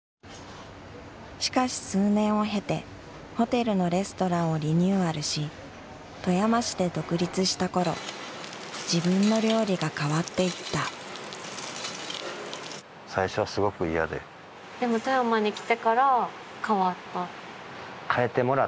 しかし数年を経てホテルのレストランをリニューアルし富山市で独立した頃自分の料理が変わっていった谷口さんが富山の奥深く